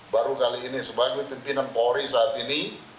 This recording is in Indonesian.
baru kali ini sebagai pimpinan polri saat ini